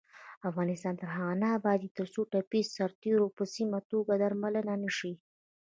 افغانستان تر هغو نه ابادیږي، ترڅو ټپي سرتیري په سمه توګه درملنه نشي.